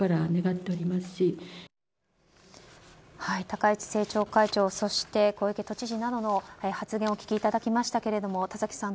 高市政調会長そして小池都知事などの発言をお聞きいただきましたけども田崎さん。